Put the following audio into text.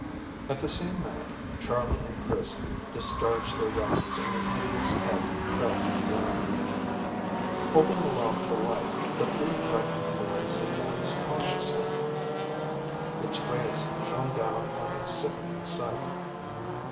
At the same minute Charley and Chris discharged their weapons and the hideous head fell to the ground. Holding aloft the light, the three frightened boys advanced cautiously. Its rays shone down on a sickening sight.